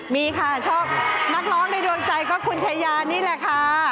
มีค่ะชอบนักร้องในดวงใจก็คุณชายานี่แหละค่ะ